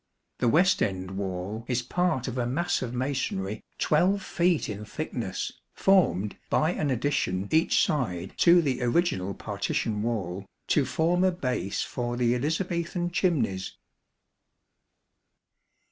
The west end wall is part of a mass of masonry 12 feet in thickness, formed, by an addition each side to the original partition wall, to form a base for the Elizabethan chimneys.